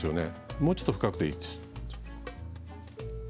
もうちょっと深くてもいいですよ。